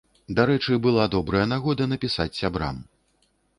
Дарэчы, была добрая нагода напісаць сябрам.